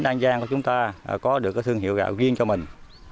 đang gian của chúng ta có được cái thương hiệu gạo riêng cho mình